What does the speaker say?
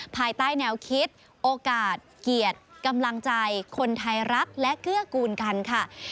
ภายใต้แนวคิดโอกาสเกียรติกำลังใจคนไทยรักและเกื้อกูลกันค่ะ